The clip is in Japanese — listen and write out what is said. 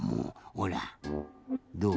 ほらどう？